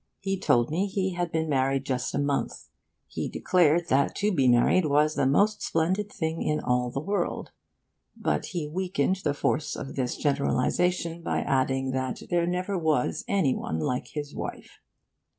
He told me he had been married just a month. He declared that to be married was the most splendid thing in all the world; but he weakened the force of this generalisation by adding that there never was any one like his wife.